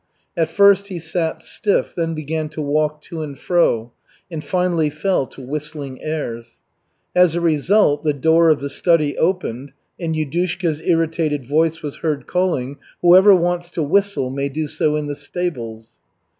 At first he sat stiff, then began to walk to and fro, and finally fell to whistling airs. As a result, the door of the study opened, and Yudushka's irritated voice was heard calling: "Whoever wants to whistle may do so in the stables."